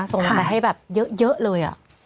ส่งกำลังใจให้แบบเยอะเลย